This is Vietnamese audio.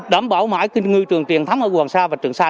đảm bảo mãi nguyên trường truyền thống ở quảng sa và trường sa